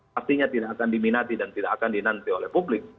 pastinya tidak akan diminati dan tidak akan dinanti oleh publik